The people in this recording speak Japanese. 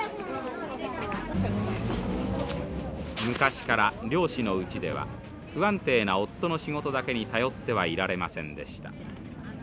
昔から漁師のうちでは不安定な夫の仕事だけに頼ってはいられませんでした。